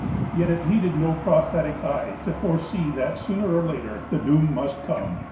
Yet it needed no prophetic eye to foresee that, sooner or later, the doom must come.